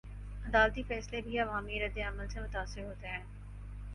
عدالتی فیصلے بھی عوامی ردعمل سے متاثر ہوتے ہیں؟